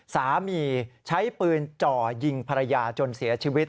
สามีใช้ปืนจ่อยิงภรรยาจนเสียชีวิต